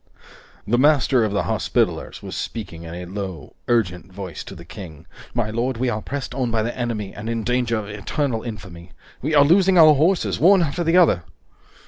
The Master of the Hospitallers was speaking in a low, urgent voice to the King: "My lord, we are pressed on by the enemy and in danger of eternal infamy. We are losing our horses, one after the other!"